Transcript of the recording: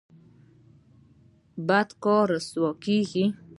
بد کار رسوا کیږي